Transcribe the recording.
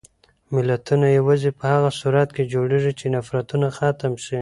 ملتونه یوازې په هغه صورت کې جوړېږي چې نفرتونه ختم شي.